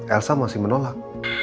elsa masih menolak